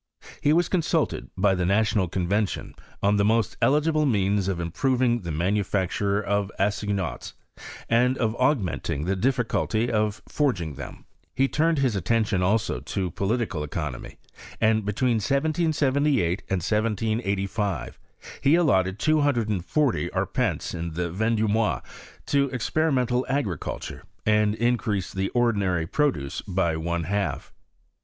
He was consulted by the National Convention on the most eligible means of improving the manufacture of assignats, and of augmenting the dlfBculty of forging them. He turned his attention also to political economy, and between 1773 and 1785 he allotted 240 arpents in the Vendoraois to experimental agricul tuie, and increased the ordinary produce by one half.